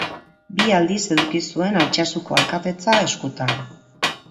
Bi aldiz eduki zuen Altsasuko alkatetza eskutan.